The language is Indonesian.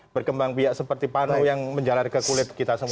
berkembang biaya seperti pano yang menjelar ke kulit kita semua